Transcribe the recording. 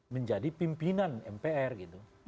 menjadi pimpinan mpr gitu